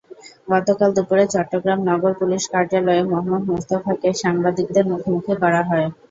গতকাল দুপুরে চট্টগ্রাম নগর পুলিশ কার্যালয়ে মোহাম্মদ মোস্তফাকে সাংবাদিকদের মুখোমুখি করা হয়।